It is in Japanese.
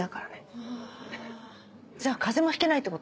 はぁじゃあ風邪もひけないってこと？